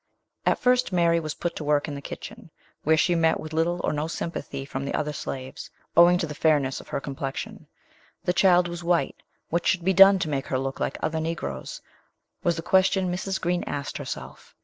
At first Mary was put to work in the kitchen, where she met with little or no sympathy from the other slaves, owing to the fairness of her complexion. The child was white, what should be done to make her look like other Negroes, was the question Mrs. Green asked herself.